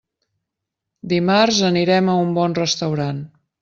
Dimarts anirem a un bon restaurant.